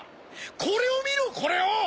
これを見ろこれを！